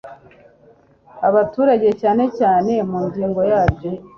abaturage cyane cyane mu ngingo yaryo